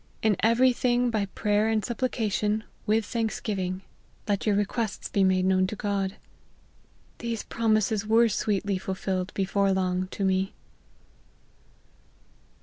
' In every thing by prayer and supplication, with thanksgiving, let your LIFE OF HENRY MARTYN. 49 requests be made known to God ;' these promises "were sweetly fulfilled, before long, to me."